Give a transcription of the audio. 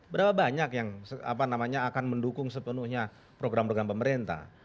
berapa banyak yang akan mendukung sepenuhnya program program pemerintah